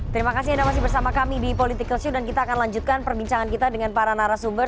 terima kasih anda masih bersama kami di political show dan kita akan lanjutkan perbincangan kita dengan para narasumber